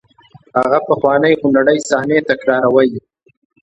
هغه پخوانۍ خونړۍ صحنې تکراروئ.